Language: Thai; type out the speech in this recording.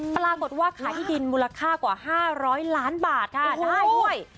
ปรากฏว่าขายที่ดินมูลค่ากว่า๕๐๐ล้านบาทค่ะได้ด้วย